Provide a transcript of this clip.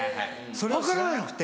それを知らなくて。